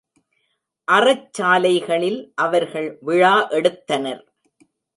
அறச் சாலைகளில் அவர்கள் விழா எடுத்தனர்.